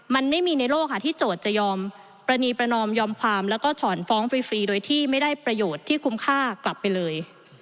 มันไม่มีในโลกค่ะที่โจทย์จะยอมปรณีประนอมยอมความแล้วก็ถอนฟ้องฟรีโดยที่ไม่ได้ประโยชน์ที่คุ้มค่ากลับไปเลย